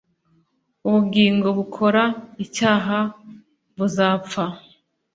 Ubugingo bukora icyaha buzapfa